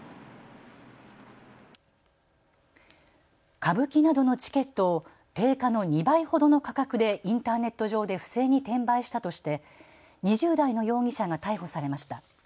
歌舞伎などのチケットを定価の２倍ほどの価格でインターネット上で不正に転売したとして２０代の容疑者が逮捕されました。